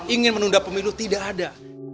ingin menunda pemilu tidak ada